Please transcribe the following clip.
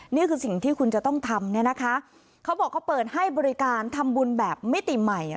นี่คือสิ่งที่คุณจะต้องทำเนี่ยนะคะเขาบอกเขาเปิดให้บริการทำบุญแบบมิติใหม่